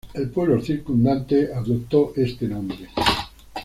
El Pueblo circundante, adoptó este nombre.